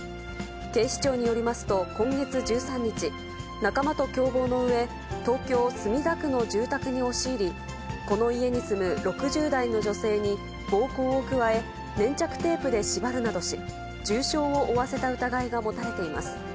警視庁によりますと、今月１３日、仲間と共謀のうえ、東京・墨田区の住宅に押し入り、この家に住む６０代の女性に暴行を加え、粘着テープで縛るなどし、重傷を負わせた疑いが持たれています。